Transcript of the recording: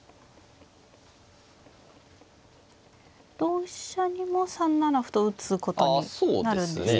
同飛車にも３七歩と打つことになるんですか。